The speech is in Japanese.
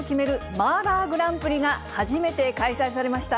麻辣グランプリが初めて開催されました。